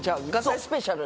スペシャルだ。